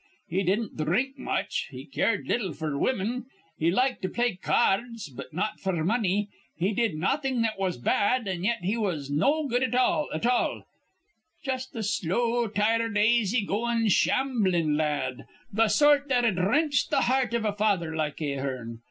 He didn't dhrink much, he cared little f'r women, he liked to play ca ards, but not f'r money. He did nawthin' that was bad; an' yet he was no good at all, at all, just a slow, tired, aisy goin', shamblin' la ad, th' sort that'd wrench th' heart iv a father like Ahearn.